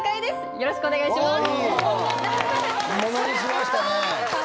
よろしくお願いします。